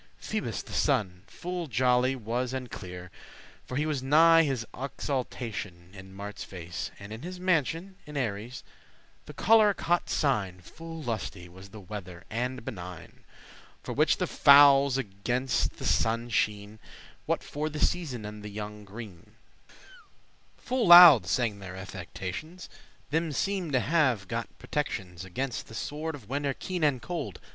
Phoebus the sun full jolly was and clear, For he was nigh his exaltation In Marte's face, and in his mansion <5> In Aries, the choleric hot sign: Full lusty* was the weather and benign; *pleasant For which the fowls against the sunne sheen,* *bright What for the season and the younge green, Full loude sange their affections: Them seemed to have got protections Against the sword of winter keen and cold.